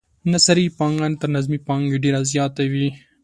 نثري پانګه تر نظمي پانګې ډیره زیاته وي.